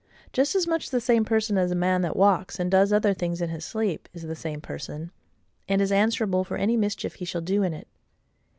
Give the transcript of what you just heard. Just as much the same person as a man that walks, and does other things in his sleep, is the same person, and is answerable for any mischief he shall do in it.